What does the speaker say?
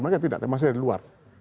mereka tidak masih di luar